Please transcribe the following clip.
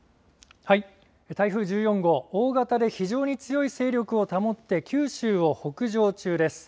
台風１４号、大型で非常に強い勢力を保って、九州を北上中です。